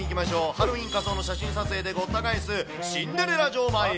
ハロウィーン仮装の写真撮影でごった返すシンデレラ城前へ。